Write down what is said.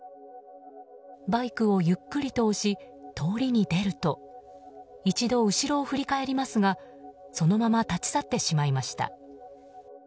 バイクをゆっくりと押し通りに出ると一度、後ろを振り返りますがそのまま立ち去ってしまいました。